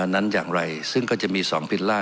นั้นอย่างไรซึ่งก็จะมีสองพิลล่า